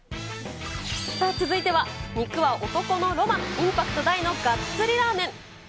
さあ続いては、肉は男のロマン！インパクト大のがっつりラーメン。